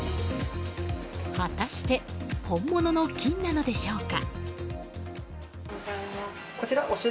果たして本物の金なのでしょうか。